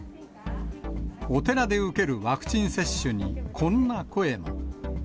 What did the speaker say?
お寺で受けるワクチン接種に、こんな声も。